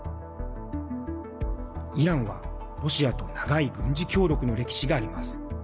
イランはロシアと長い軍事協力の歴史があります。